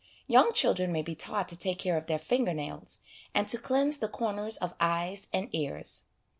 Young children may be taught to take care of their finger nails, and to cleanse the corners of eyes and ears.